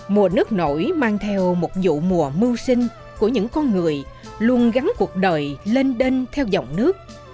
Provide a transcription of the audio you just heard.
mùa nước nổi mang theo một vụ mùa mưu sinh của những con người luôn gắn cuộc đời lên đênh theo dòng nước